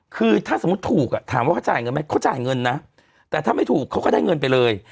เขาจ่ายเงินนะแต่ถ้าไม่ถูกเขาก็ได้เงินไปเลย